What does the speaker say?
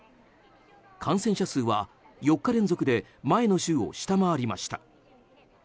感染者数は４日連続で前の週を下回りました。